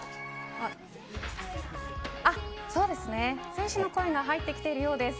選手の声が入ってきているようです。